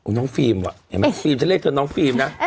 อ้มน้องฟิล์มอะเฟลีมจะเรียกว่าน้องฟิล์มนะ